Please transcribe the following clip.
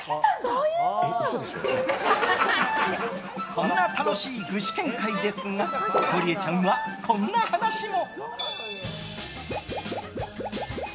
こんな楽しい具志堅会ですがゴリエちゃんは、こんな話も。